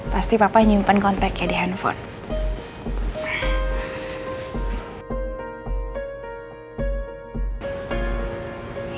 pasti papa nyimpen konteknya di handphone